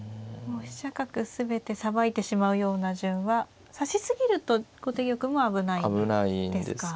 飛車角全てさばいてしまうような順は指し過ぎると後手玉も危ないですか。